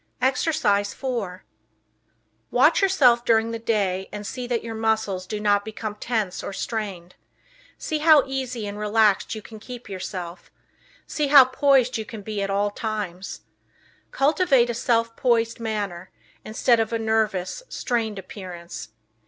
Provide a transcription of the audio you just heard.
Exercise 4 Watch yourself during the day and see that your muscles do not become tense or strained. See how easy and relaxed you can keep yourself. See how poised you can be at all times. Cultivate a self poised manner, instead of a nervous, strained appearance.